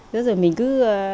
rồi mình cứ